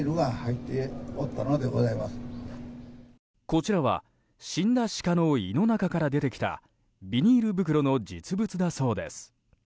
こちらは、死んだシカの胃の中から出てきたビニール袋の実物だそうです。